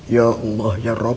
ya allah ya rob